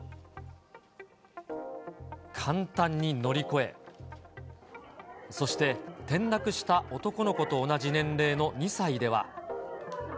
簡単に乗り越え、そして、転落した男の子と同じ年齢の２歳では。